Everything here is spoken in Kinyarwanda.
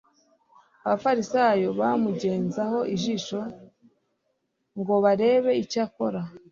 Abafarisayo bamugenzaho ijisho ngo barebe icyo kora.